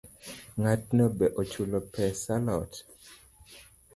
Ng’atno be ochulo pesa a lot?